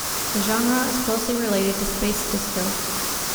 The genre is closely related to space disco.